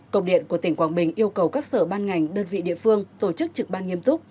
công điện của tỉnh quảng bình yêu cầu các sở ban ngành đơn vị địa phương tổ chức trực ban nghiêm túc